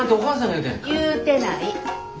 言ってない。